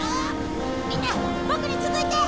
みんなボクに続いて！